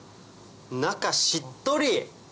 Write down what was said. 中しっとり！